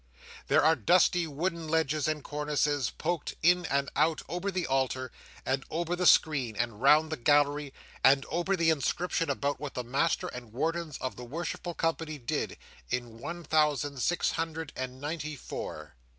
There are dusty wooden ledges and cornices poked in and out over the altar, and over the screen and round the gallery, and over the inscription about what the Master and Wardens of the Worshipful Company did in one thousand six hundred and ninety four.